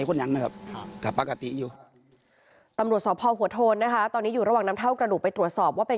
กระดูกในเมนนี่มันกระดูกใครกันแน่